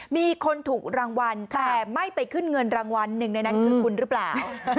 มีคนถูกรางวัลแต่ไม่ไปขึ้นเงินรางวัลหนึ่งในนั้นคือคุณหรือเปล่า